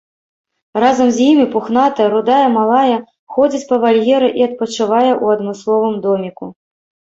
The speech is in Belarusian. Разам з імі пухнатая рудая малая ходзіць па вальеры і адпачывае ў адмысловым доміку.